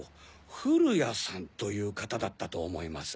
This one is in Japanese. フルヤさんという方だったと思います。